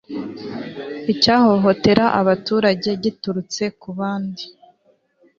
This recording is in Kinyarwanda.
icyahohotera abaturage giturutse ku bandi